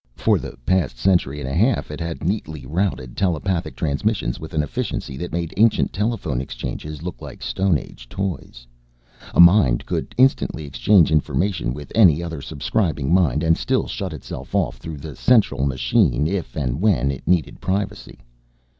For the past century and a half it had neatly routed telepathic transmissions with an efficiency that made ancient telephone exchanges look like Stone Age toys. A mind could instantly exchange information with any other Subscribing mind and still shut itself off through the Central machine if and when it needed privacy.